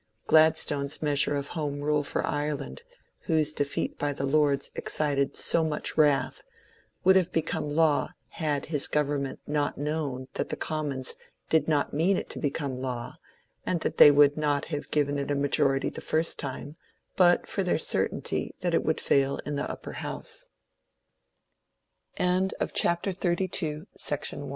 Glad stone's measure of Home Rule for Ireland, whose defeat by the Lords excited so much wrath, would have become law had his government not known that the Commons did not mean it to become law, and that they would not have given it a majority the first time but for their certainty that it would fail in the Upper